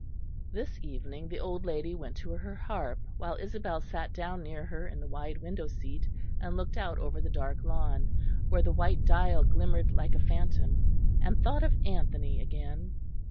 This evening the old lady went to her harp, while Isabel sat down near her in the wide window seat and looked out over the dark lawn, where the white dial glimmered like a phantom, and thought of Anthony again.